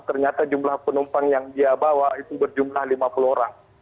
ternyata jumlah penumpang yang dia bawa itu berjumlah lima puluh orang